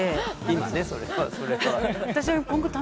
今ねそれはそれは。